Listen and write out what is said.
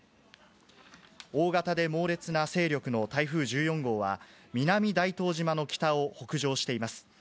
大型で猛烈な勢力の台風１４号は、南大東島の北を北上しています。